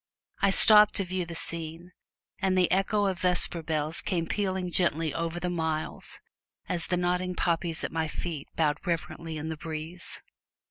I stopped to view the scene, and the echo of vesper bells came pealing gently over the miles, as the nodding poppies at my feet bowed reverently in the breeze.